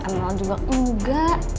anel juga engga